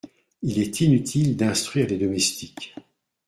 Il est inutile d’instruire les domestiques.